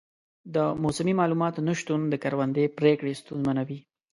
د موسمي معلوماتو نه شتون د کروندې پریکړې ستونزمنوي.